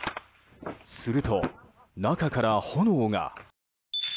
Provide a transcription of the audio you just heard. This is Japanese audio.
すると、中から炎が。